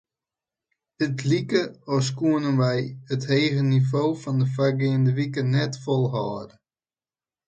It like as koene wy it hege nivo fan de foargeande wiken net folhâlde.